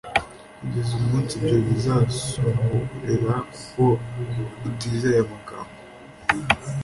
kugeza umunsi ibyo bizasohorera kuko utizeye amagambo